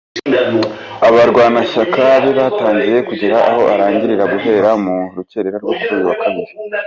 Abarwanashyaka be batangiye kugera aho ararahirira guhera mu rukerera rwo kuri uyu wa Kabiri.